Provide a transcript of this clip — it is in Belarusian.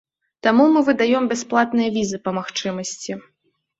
Таму мы выдаём бясплатныя візы па магчымасці.